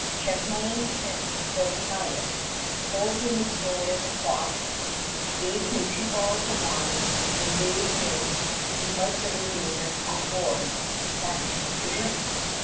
Champlain sent for the pilot, told him the story of the plot, gave him two bottles of wine, and bade him invite the ringleaders on board that night to drink.